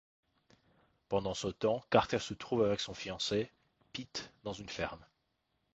Pendant ce temps, Carter se trouve avec son fiancé, Pete, dans une ferme.